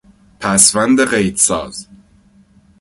پسوند قیدساز